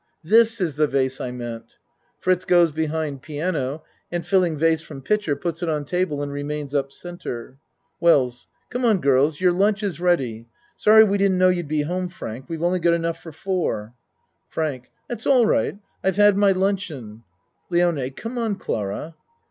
This is the vase I meant. (Fritz goes be hind piano and filling vase from pitcher puts it on table and remains up C.) WELLS Come on, girls, your lunch is ready. Sorry we didn't know you'd be home, Frank. We've only got enough for four. FRANK That's all right. I've had my lun cheon. LIONE Come on, Clara.